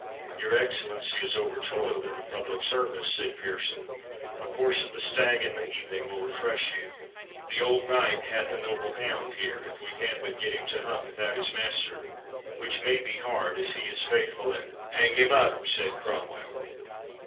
"Your Excellency is overtoiled in the public service," said Pearson; "a course of the stag in the evening will refresh you. The old knight hath a noble hound here, if we can but get him to hunt without his master, which may be hard, as he is faithful, and"— "Hang him up!" said Cromwell.